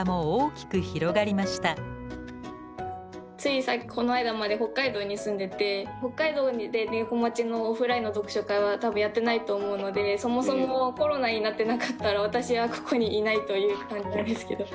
ついこの間まで北海道に住んでて北海道で猫町のオフラインの読書会は多分やってないと思うのでそもそもコロナになってなかったら私はここにいないという感じなんですけど。